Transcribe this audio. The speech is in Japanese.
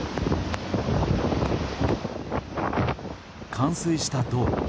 冠水した道路。